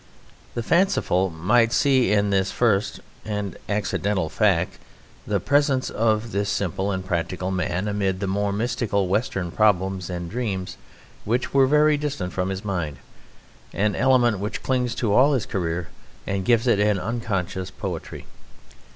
The fanciful might see in this first and accidental fact the presence of this simple and practical man amid the more mystical western problems and dreams which were very distant from his mind, an element which clings to all his career and gives it an unconscious poetry.